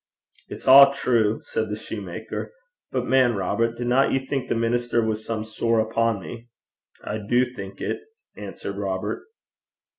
'It's a' true,' said the soutar; 'but, man Robert, dinna ye think the minister was some sair upo' me?' 'I duv think it,' answered Robert.